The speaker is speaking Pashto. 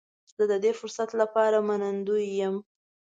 زه د دې فرصت لپاره منندوی یم.